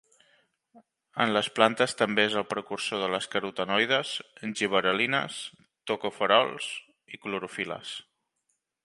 En les plantes també és el precursor dels carotenoides, gibberel·lines, tocoferols i clorofil·les.